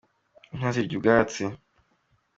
Inka zirya ubwatsi.